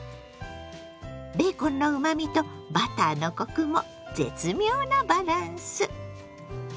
ベーコンのうまみとバターのコクも絶妙なバランス！